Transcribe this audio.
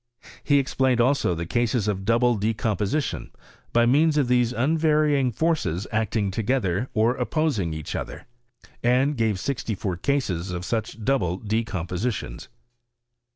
He explained also the cases of double decomposition, by means of these unvarying forces acting together or opposing each other — and gave sixty four cases of such double decompositions.